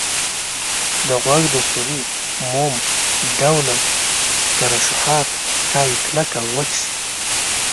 د غوږ د سوري موم ډوله ترشحات ښایي کلک او وچ شي.